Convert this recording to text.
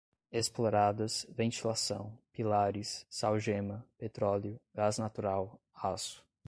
exploradas, ventilação, pilares, sal-gema, petróleo, gás natural, aço